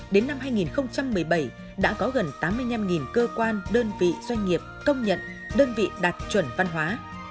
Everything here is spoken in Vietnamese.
đến năm hai nghìn một mươi bảy đã có gần tám mươi năm cơ quan đơn vị doanh nghiệp công nhận đơn vị đạt chuẩn văn hóa